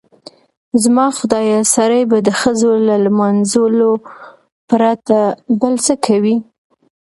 زما خدایه سړی به د ښځو له لمانځلو پرته بل څه کوي؟